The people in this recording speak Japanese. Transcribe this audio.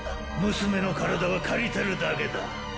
娘の体は借りてるだけだッ！